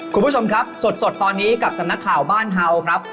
คุณผู้ชมครับสดตอนนี้กับสำนักข่าวบ้านเฮาครับ